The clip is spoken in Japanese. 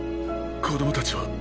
子供たちは？